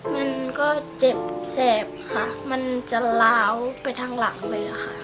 มันก็เจ็บแสบค่ะมันจะล้าวไปทางหลังเลยค่ะ